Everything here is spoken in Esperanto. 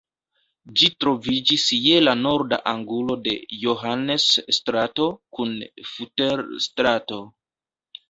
Ĝi troviĝis je la norda angulo de Johannes-strato kun Futter-strato.